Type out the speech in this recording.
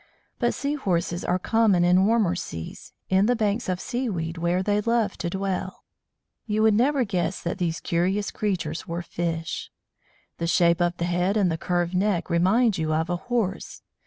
But Sea horses are common in warmer seas, in the banks of seaweed where they love to dwell. You would never guess that these curious creatures were fish. The shape of the head, and the curved neck, remind you of a horse.